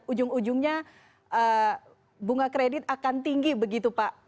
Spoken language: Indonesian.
ujung ujungnya bunga kredit akan tinggi begitu pak